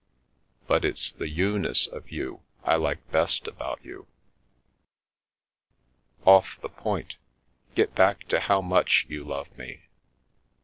But it's the you ness of you I like best about you." " Off the point. Get back to how much you love me.